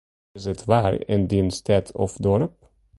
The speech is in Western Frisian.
Hoe is it waar yn dyn stêd of doarp?